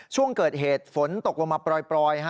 ช่วงเกิดเหตุฝนตกลงมาปล่อย